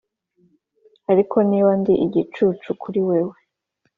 ariko niba ndi igicucu kuri wewe,